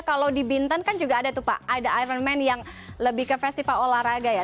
kalau di bintan kan juga ada tuh pak ada iron man yang lebih ke festival olahraga ya